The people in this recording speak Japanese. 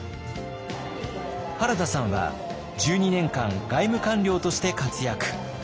原田さんは１２年間外務官僚として活躍。